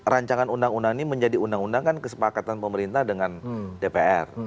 rancangan undang undang ini menjadi undang undang kan kesepakatan pemerintah dengan dpr